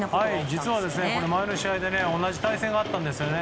実は、前の試合で同じ対戦があったんですね。